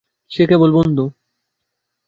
সে কেবল বন্ধু।